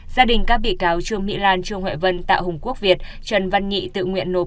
gia đình các bị cáo trương mỹ lan trương huệ vân tạ hùng quốc việt trần văn nhị tự nguyện nộp